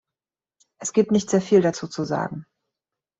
Es gibt nicht sehr viel dazu zu sagen.